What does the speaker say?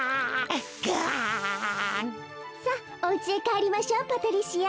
さあおうちへかえりましょうパトリシア。